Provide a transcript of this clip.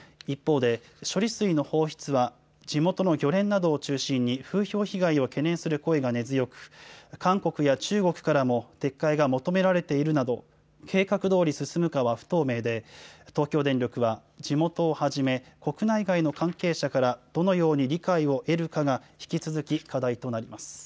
一方で、処理水の放出は、地元の漁連などを中心に、風評被害を懸念する声が根強く、韓国や中国からも撤回が求められているなど、計画どおり進むかは不透明で、東京電力は地元をはじめ、国内外の関係者からどのように理解を得るかが引き続き課題となります。